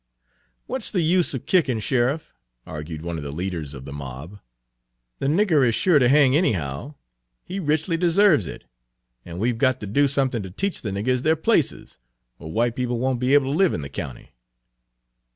"What's the use of kicking, Sheriff?" argued one of the leaders of the mob. "The Page 76 nigger is sure to hang anyhow; he richly deserves it; and we 've got to do something to teach the niggers their places, or white people won't be able to live in the county."